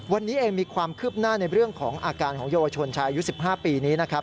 วันนี้เองมีความคืบหน้าในเรื่องของอาการของเยาวชนชายอายุ๑๕ปีนี้นะครับ